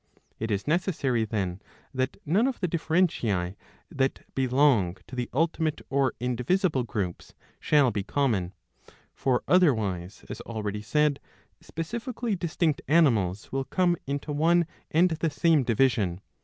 It is necessary then that none of the differentiae that belong to the ultimate or indivisible groups shall be common ; for otherwise, as already said, specifically distinct animals will come into one and the same division.